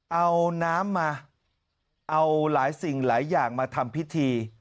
เอาน้ำมาเอาหลายสิ่งหลายอย่างมาทำพิธี